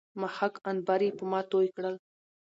مښک، عنبر يې په ما توى کړل